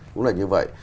cũng là như vậy